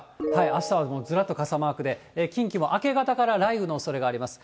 あしたはもうずらっと傘マークで、近畿も明け方から雷雨のおそれがあります。